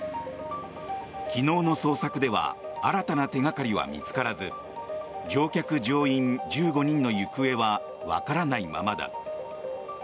昨日の捜索では新たな手掛かりは見つからず乗客・乗員１５人の行方はわからないままだ。